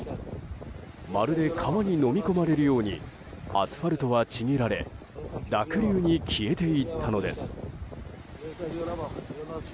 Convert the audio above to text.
まるで川にのみ込まれるようにアスファルトはちぎられ濁流に消えていったのです。